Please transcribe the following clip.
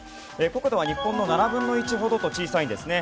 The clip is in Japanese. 国土は日本の７分の１ほどと小さいんですね。